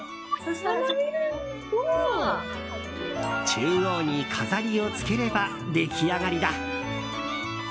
中央に飾りをつければ出来上がりだ。